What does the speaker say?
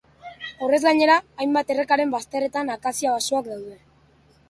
Horrez gainera, hainbat errekaren bazterretan akazia-basoak daude.